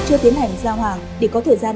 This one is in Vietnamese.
chưa tiến hành ra hoàng để có thời gian